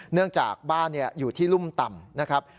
เนื่องจากบ้านอยู่ที่รุ่มต่ำนะครับ